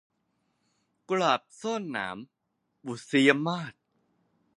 กุหลาบซ่อนหนาม - บุษยมาส